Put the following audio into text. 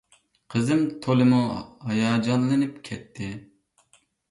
قىزىم تولىمۇ ھاياجانلىنىپ كەتتى.